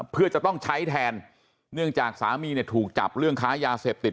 เพื่อจะต้องใช้แทนเนื่องจากสามีเนี่ยถูกจับเรื่องค้ายาเสพติด